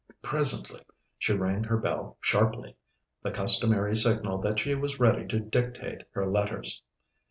Presently she rang her bell sharply, the customary signal that she was ready to dictate her letters.